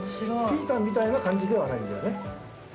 ◆ピータンみたいな感じではないんだよね。